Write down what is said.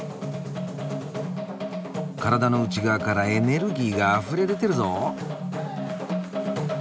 体の内側からエネルギーがあふれ出てるぞ！